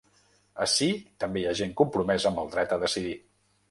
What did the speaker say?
Ací també hi ha gent compromesa amb el dret a decidir.